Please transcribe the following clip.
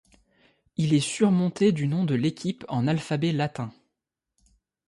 Il est surmonté du nom de l'équipe en alphabet latin.